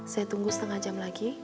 saya tunggu setengah jam lagi